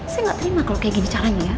saya nggak terima kalau kayak gini caranya ya